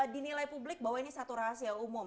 dinilai publik bahwa ini satu rahasia umum